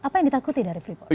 apa yang ditakuti dari freeport